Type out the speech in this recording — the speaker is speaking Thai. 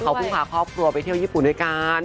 เขาเพิ่งพาครอบครัวไปเที่ยวญี่ปุ่นด้วยกัน